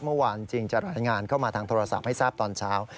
เมื่อวานจริงจะรายงานเข้ามาทางโทรศัพท์ให้ทราบตอนเช้า